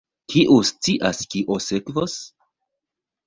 Kiu scias kio sekvos?